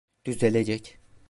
Düzelecek.